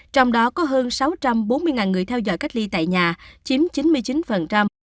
trong đó có hơn sáu trăm bốn mươi người theo dõi cách ly tại nhà chiếm chín mươi chín